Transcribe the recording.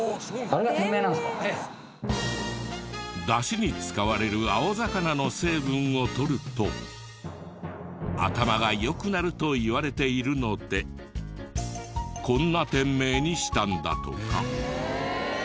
ダシに使われる青魚の成分をとると頭が良くなるといわれているのでこんな店名にしたんだとか。